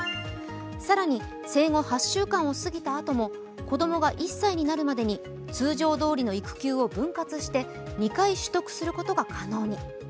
更に、生後８週間を過ぎたあとも子供が１歳になるまでに通常どおりの育休を分割して２回取得することが可能に。